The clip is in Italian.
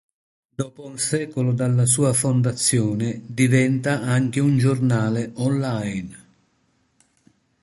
Dopo un secolo dalla sua fondazione diventa anche un giornale online.